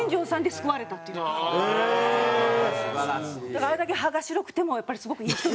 だからあれだけ歯が白くてもやっぱりすごくいい人なんです。